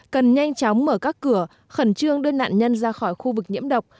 cần nhanh chóng mở các cửa khẩn trương đưa nạn nhân ra khỏi khu vực nhiễm độc